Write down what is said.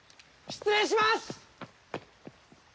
失礼します！